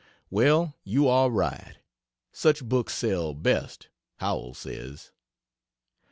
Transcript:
Well, you are right. Such books sell best, Howells says.